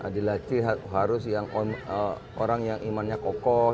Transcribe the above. dilatih harus yang orang yang imannya kokoh